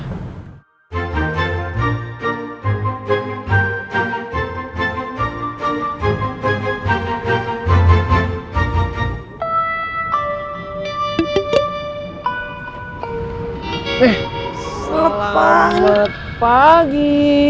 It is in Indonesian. eh selamat pagi